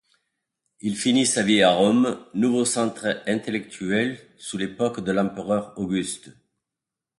Il finit sa vie à Rome, nouveau centre intellectuel sous l'époque de l'empereur Auguste.